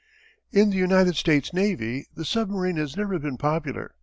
_] In the United States Navy the submarine has never been popular.